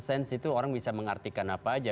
sense itu orang bisa mengartikan apa aja